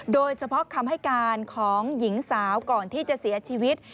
โดยเฉพาะคำให้การของหญิงสาวก่อนที่จะเสียชีวิต